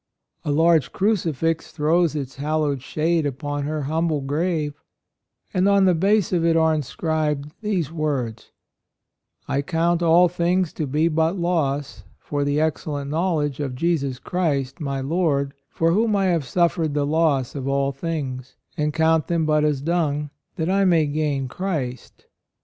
A large crucifix throws its hallowed shade upon her humble grave, and on the base of it are inscribed these words : "'I count all things to be but loss for the excellent knowledge of Jesus Christ my Lord, for whom I have suffered the loss of all things, and count them but as dung, that I may gain Christ.'